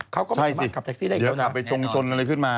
เขาก็ไม่สามารถขับแท็กซี่ได้แล้วนะ